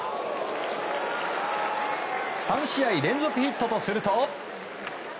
３試合連続ヒットとすると。